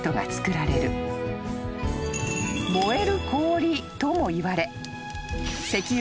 ［燃える氷ともいわれ］